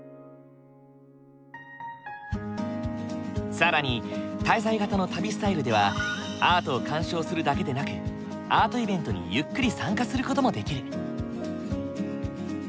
更に滞在型の旅スタイルではアートを鑑賞するだけでなくアートイベントにゆっくり参加する事もできる。